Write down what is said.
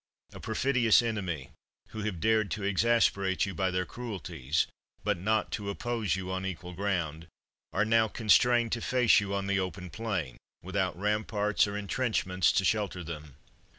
A perfidious enemy, who have dared to exasperate you by their cruelties, but not to oppose you on equal ground, are now constrained to face you on the open plain, with out ramparts or intrenchments to shelter them.